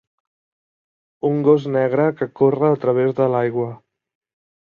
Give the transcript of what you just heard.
Un gos negre que corre a través de l'aigua